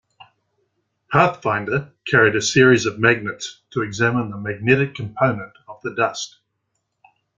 "Pathfinder" carried a series of magnets to examine the magnetic component of the dust.